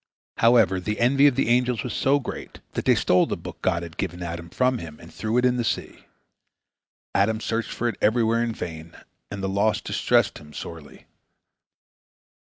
However, the envy of the angels was so great that they stole the book God had given Adam from him, and threw it in the sea. Adam searched for it everywhere in vain, and the loss distressed him sorely.